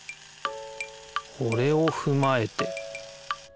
これをふまえて。